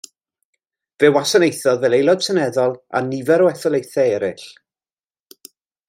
Fe wasanaethodd fel Aelod Seneddol a nifer o etholaethau eraill.